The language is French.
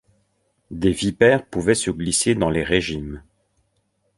Des vipères pouvaient se glisser dans les régimes.